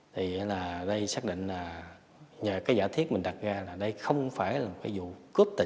thì đây xác định là nhờ cái giả thiết mình đặt ra là đây không phải là một cái vụ cướp tài sản